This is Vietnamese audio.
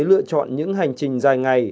lựa chọn những hành trình dài ngày